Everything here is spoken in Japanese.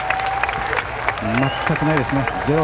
全くないですね。